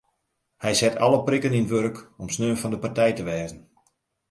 Hy set alle prikken yn it wurk om sneon fan de partij te wêze.